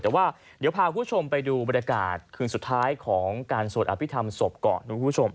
แต่ว่าเดี๋ยวพาคุณผู้ชมไปดูบรรยากาศคืนสุดท้ายของการสวดอภิษฐรรมศพก่อนคุณผู้ชม